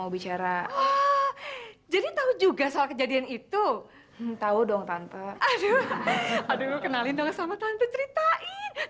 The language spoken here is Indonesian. mau bicara jadi tahu juga soal kejadian itu tahu dong tante aduh aduh kenalin dong sama tante ceritain